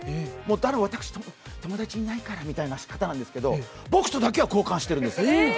私友達いないからみたいな人なんですけど、僕とだけは交換してる。